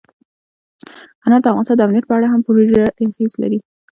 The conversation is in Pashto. انار د افغانستان د امنیت په اړه هم پوره اغېز لري.